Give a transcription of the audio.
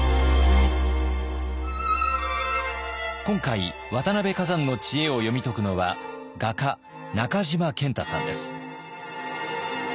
今回渡辺崋山の知恵を読み解くのは画家中島健太さんです。